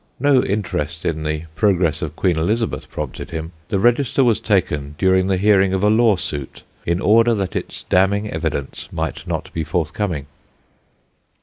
No interest in the progress of Queen Elizabeth prompted him: the register was taken during the hearing of a law suit in order that its damning evidence might not be forthcoming.